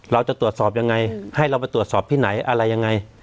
เราจะตรวจสอบยังไงให้เราไปตรวจสอบที่ไหนอะไรยังไง